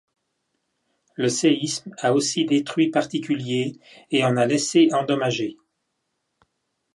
Le séisme a aussi détruit particuliers et en a laissé endommagés.